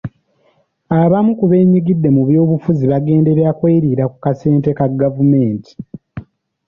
Abamu ku beenyigidde mu byobufuzi bagenderedde kweriira ku kasente ka gavumenti.